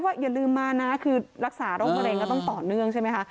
อย่าลืมมานะคือรักษาโรคมะเร็งก็ต้องต่อเนื่องใช่ไหมคะ